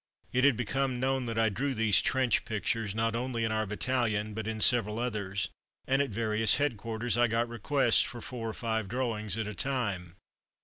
It had become known that I drew these trench pictures, not only in our battalion but in several others, and at various headquarters I got requests for four or five drawings at a time.